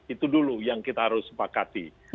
itu dulu yang kita harus sepakati